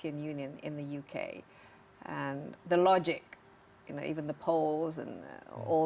dan ini adalah tantangan besar